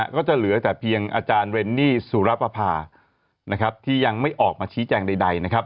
ก็จะเหลือแต่เพียงอาจารย์เรนนี่สุรปภาที่ยังไม่ออกมาชี้แจ้งใด